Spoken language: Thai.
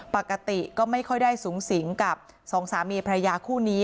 ปกติก็ไม่ค่อยได้สูงสิงกับสองสามีพระยาคู่นี้